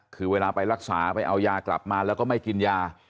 คือเวลาไปรักษาไปเอายากลับมาแล้วก็ไม่กินยา